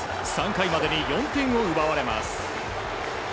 ３回までに４点を奪われます。